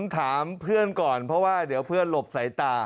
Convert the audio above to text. ถามเพื่อนก่อนเพราะว่าเดี๋ยวเพื่อนหลบสายตา